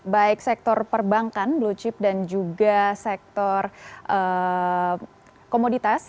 baik sektor perbankan blue chip dan juga sektor komoditas